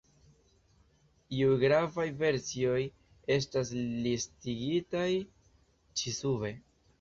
Iuj gravaj versioj estas listigitaj ĉi sube.